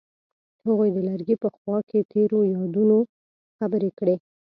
هغوی د لرګی په خوا کې تیرو یادونو خبرې کړې.